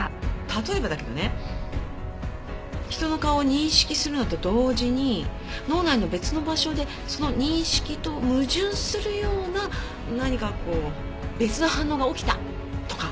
例えばだけどね人の顔を認識するのと同時に脳内の別の場所でその認識と矛盾するような何かこう別の反応が起きたとか。